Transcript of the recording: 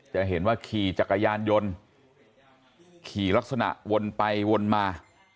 จะเห็นว่าขี่จักรยานยนต์ขี่ลักษณะวนไปวนมา